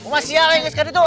masih ala yang sekadar itu